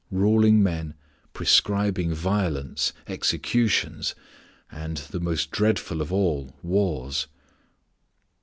ruling men, prescribing violence, executions, and, the most dreadful of all, wars.